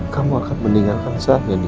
kamu akan meninggalkan saya